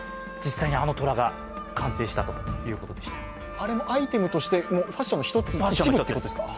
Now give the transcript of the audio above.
あれもアイテムとしてファッションの１つということですか？